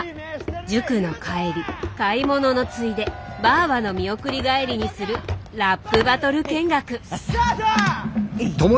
塾の帰り買い物のついでバァバの見送り帰りにするラップバトル見学。